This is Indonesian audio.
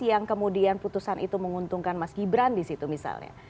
yang kemudian putusan itu menguntungkan mas gibran di situ misalnya